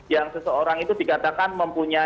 yang seseorang itu dikatakan mempunyai